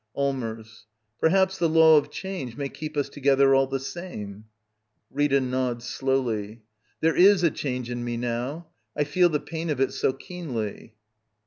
Allmers. Perhaps the law of change may keep ^iis together, all the same. Rita. [Nods slowly.] There is a change in me *^ now. I feel the pain of it so keenly.